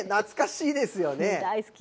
大好き。